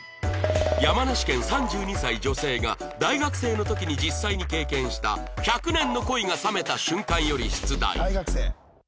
山梨県３２歳女性が大学生の時に実際に経験した１００年の恋が冷めた瞬間より出題